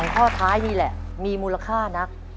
ข้อท้ายนี่แหละมีมูลค่านัก